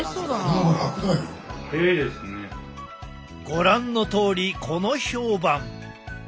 ご覧のとおりこの評判！